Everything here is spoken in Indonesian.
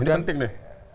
ini penting nih